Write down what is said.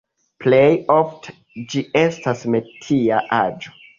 Plej ofte ĝi estas metia aĵo.